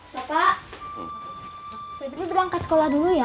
bapak saya dulu udah angkat sekolah dulu ya